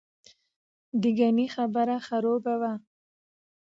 دګنې خبره خروبه وه.